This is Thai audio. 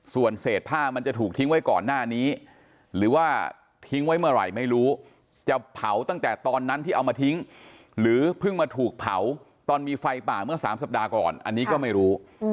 ส่วนเศษผ้ามันจะถูกทิ้งไว้ก่อนหน้านี้หรือว่าทิ้งไว้เมื่อไหร่ไม่รู้จะเผาตั้งแต่ตอนนั้นที่เอามาทิ้งหรือเพิ่งมาถูกเผาตอนมีไฟป่าเมื่อ๓สัปดาห์ก่อนอันนี้ก็ไม่รู้